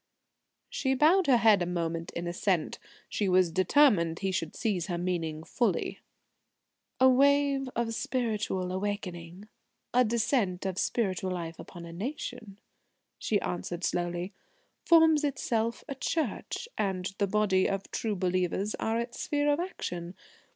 She bowed her head a moment in assent. She was determined he should seize her meaning fully. "A wave of spiritual awakening a descent of spiritual life upon a nation," she answered slowly, "forms itself a church, and the body of true believers are its sphere of action.